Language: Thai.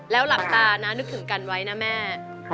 แล้วหลับตานะนึกถึงกันไว้นะแม่